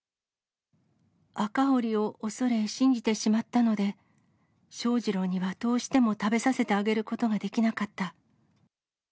赤堀を恐れ信じてしまったので、翔士郎にはどうしても食べさせてあげることができなかった。